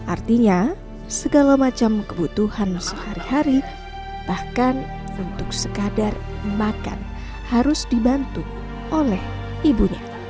artinya segala macam kebutuhan sehari hari bahkan untuk sekadar makan harus dibantu oleh ibunya